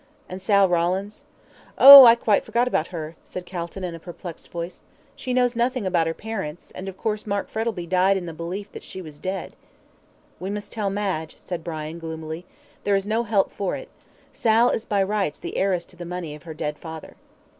"And Sal Rawlins?" "Oh! I quite forgot about her," said Calton, in a perplexed voice. "She knows nothing about her parents, and, of course, Mark Frettlby died in the belief that she was dead." "We must tell Madge," said Brian, gloomily. "There is no help for it. Sal is by rights the heiress to the money of her dead father."